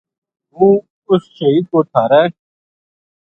ہوں اس شہید کو تھارے